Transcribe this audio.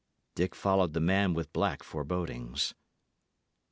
Dick followed the man with black forebodings.